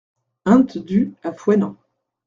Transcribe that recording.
Hent Du à Fouesnant